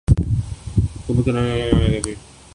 حکومت کرنا انہیں یہ کام آتا نہیں۔